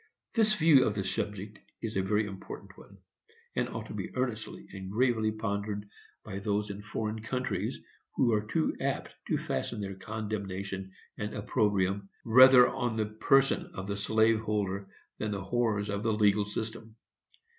This view of the subject is a very important one, and ought to be earnestly and gravely pondered by those in foreign countries, who are too apt to fasten their condemnation and opprobrium rather on the person of the slave holder than on the horrors of the legal system.